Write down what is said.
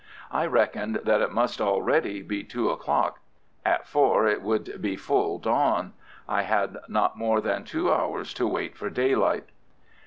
I reckoned that it must already be two o'clock. At four it would be full dawn. I had not more than two hours to wait for daylight.